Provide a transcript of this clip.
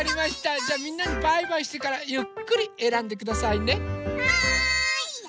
じゃあみんなにバイバイしてからゆっくりえらんでくださいね。